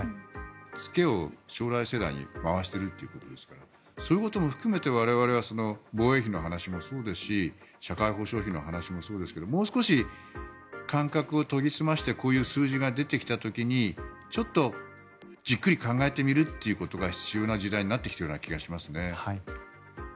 付けを将来世代に回しているということですからそういうことも含めて防衛費の話もそうですし社会保障費の話もそうですけどもう少し感覚を研ぎ澄ましてこういう数字が出てきた時にちょっとじっくり考えてみることが必要な時代になってきた気がしますね。